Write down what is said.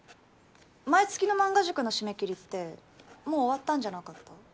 毎月の漫画塾の締め切りってもう終わったんじゃなかった？